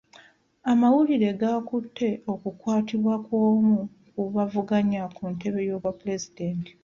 Amawulire gaakutte okukwatibwa kw'omu ku bavuganya ku ntebe y'obwa pulezidenti.